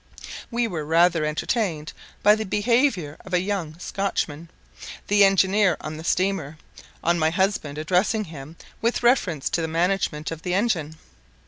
We were rather entertained by the behaviour of a young Scotchman, the engineer of the steamer, on my husband addressing him with reference to the management of the engine.